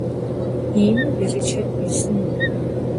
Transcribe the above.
Yinu berıçet bêsın.